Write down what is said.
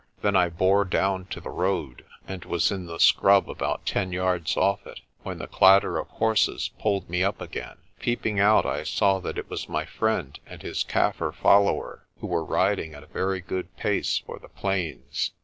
Then I bore down to the road, and was in the scrub about ten yards off it, when the clatter of horses pulled me up again. Peeping out I saw that it was my friend and his Kaffir follower, who were riding at a very good pace for the plains.